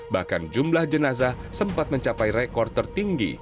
bahkan jumlah jenazah sempat mencapai rekor tertinggi